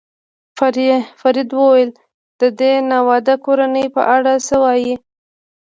فرید وویل: د دې ناواده کورنۍ په اړه څه وایې؟